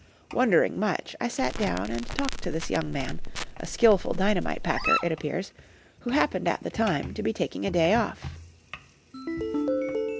Wondering much, I sat down and talked to this young man, a skilful dynamite packer, it appears, who happened at the time to be taking a day off.